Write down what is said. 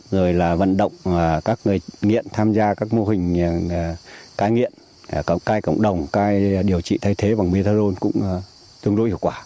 rồi là vận động các người nghiện tham gia các mô hình khai nghiện khai cộng đồng khai điều trị thay thế bằng methanol cũng tương đối hiệu quả